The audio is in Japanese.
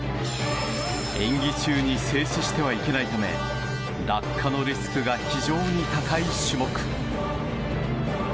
演技中に静止してはいけないため落下のリスクが非常に高い種目。